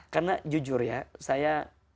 karena jujur ya saya